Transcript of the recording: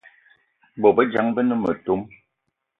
Bôbejang be ne metom